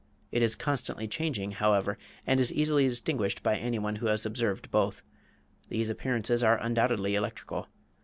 It is constantly changing, however, and is easily distinguished by anyone who has observed both. These appearances are undoubtedly electrical.